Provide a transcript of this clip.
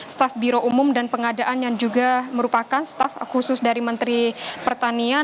staf biro umum dan pengadaan yang juga merupakan staff khusus dari menteri pertanian